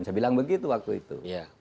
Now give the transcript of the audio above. saya bilang begitu waktu itu